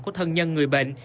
của thân nhân người bệnh